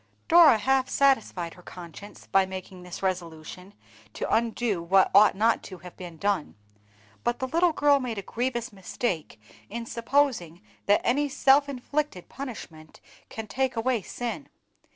Dora half satisfied her conscience by making this resolution to undo what ought not to have been done; but the little girl made a grievous mistake in supposing that any self inflicted punishment can take away sin.